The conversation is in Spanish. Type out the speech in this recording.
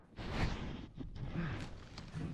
El disco aún no sido publicado en formato físico.